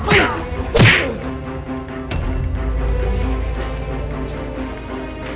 gak ada siapa siapa